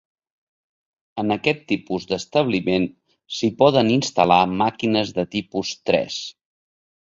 En aquests tipus d'establiment, s'hi poden instal·lar màquines de tipus tres.